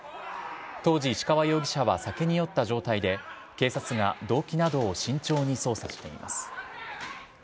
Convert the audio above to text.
当時、石川容疑者は酒に酔った状態で、警察が動機などを慎重に捜査しています。